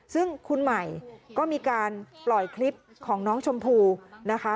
ซึ่งคุณใหม่ก็มีการปล่อยคลิปของน้องชมพู่นะคะ